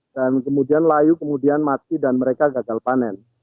dan kemudian layu kemudian mati dan mereka gagal panen